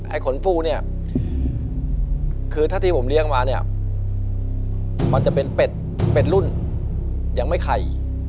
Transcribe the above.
ขนฟูเนี่ยคือถ้าที่ผมเลี้ยงมาเนี่ยมันจะเป็นเป็ดรุ่นยังไม่ไข่